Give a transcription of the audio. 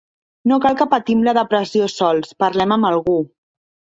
No cal que patim la depressió sols, parlem amb algú.